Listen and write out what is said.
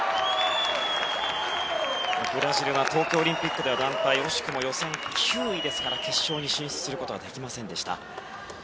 ブラジルは東京オリンピックでは団体で惜しくも予選９位で決勝に進出することはできませんでした。